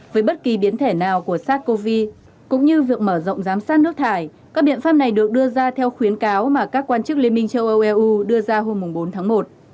với bất kỳ biến thể nào của sars cov hai cũng như việc mở rộng giám sát nước thải các biện pháp này được đưa ra theo khuyến cáo mà các quan chức liên minh châu âu eu đưa ra hôm bốn tháng một